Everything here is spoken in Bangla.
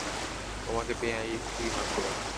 তোমাকে পেয়ে এই পৃথিবী ভাগ্যবান।